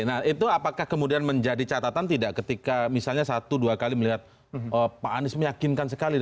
nah itu apakah kemudian menjadi catatan tidak ketika misalnya satu dua kali melihat pak anies meyakinkan sekali